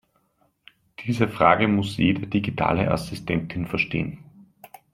Diese Frage muss jede digitale Assistentin verstehen.